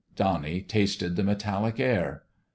Donnie tasted the metallic air.